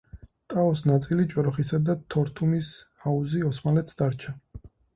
ტაოს ნაწილი, ჭოროხისა და თორთუმის აუზი ოსმალეთს დარჩა.